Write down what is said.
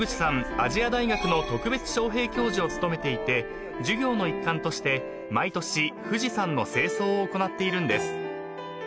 亜細亜大学の特別招聘教授を務めていて授業の一環として毎年富士山の清掃を行っているんです］